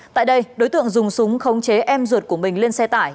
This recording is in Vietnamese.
tại đây đối tượng dùng súng khống chế em ruột của mình lên xe tải